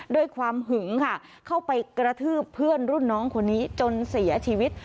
ด้วยความหึงค่ะเข้าไปกระทืบเพื่อนรุ่นน้องคนนี้จนเสียชีวิต